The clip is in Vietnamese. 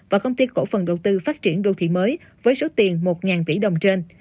và công ty cổ phần đầu tư phát triển đô thị mới với số tiền một tỷ đồng trên